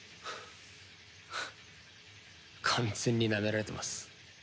フッ完全になめられてます。